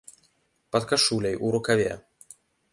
Пад кашуляй, у рукаве.